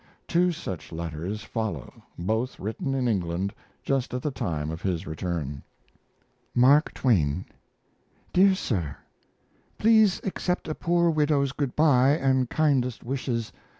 Two such letters follow both written in England just at the time of his return. MARK TWAIN. DEAR SIR, Please accept a poor widow's good by and kindest wishes.